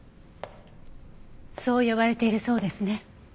そう呼ばれているそうですね。